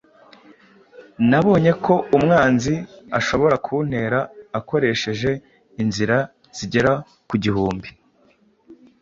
Nabonye ko umwanzi ashobora kuntera akoresheje inzira zigeze ku gihumbi